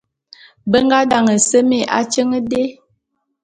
Be nga daňe semé atyeň dé.